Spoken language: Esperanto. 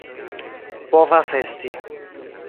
Povas esti.